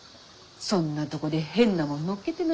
そんなとこで変なもん乗っけてないでさ。